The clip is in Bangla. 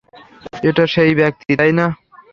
এটা সেই ব্যাক্তি, তাই না?